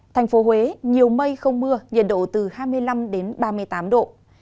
thành phố huế nhiều mây không mưa nhiệt độ từ hai mươi năm đến ba mươi tám độ